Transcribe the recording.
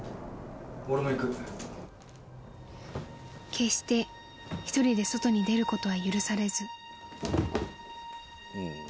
［決して一人で外に出ることは許されず］